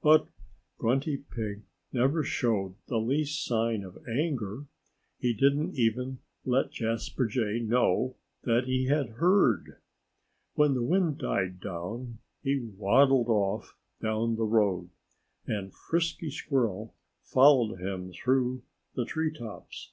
But Grunty Pig never showed the least sign of anger. He didn't even let Jasper Jay know that he had heard. When the wind died down he waddled off down the road. And Frisky Squirrel followed him through the tree tops.